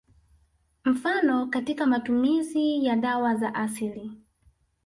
Mfano katika matumizi ya dawa za asili